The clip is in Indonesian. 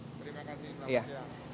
terima kasih pak